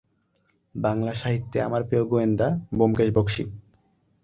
বাংলা সাহিত্যে আমার প্রিয় গোয়েন্দা ব্যোমকেশ বক্সী।